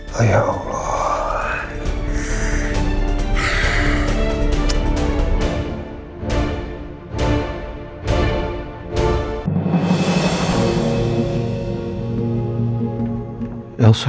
hai ya allah